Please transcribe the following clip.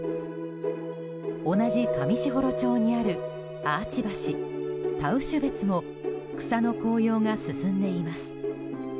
同じ上士幌町にあるアーチ橋タウシュベツも草の紅葉が進んでいます。